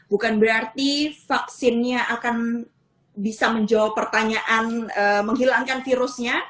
bukan berarti vaksinnya akan bisa menjawab pertanyaan menghilangkan virusnya